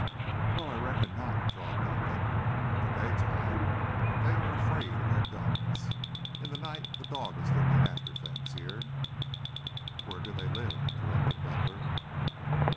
"Well, I reckon not," drawled Dunkan. "In the daytime they are afraid of our guns. In the night the dog is looking after things here." "Where do they live?" interrupted Butler.